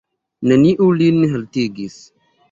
Neniu lin haltigis.